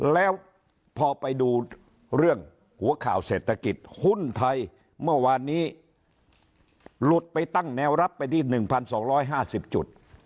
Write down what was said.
แล้วพอไปดูเรื่องหัวข่าวเศรษฐกิจหุ้นไทยเมื่อวานนี้หลุดไปตั้งแนวรับไปที่๑๒๕๐จุด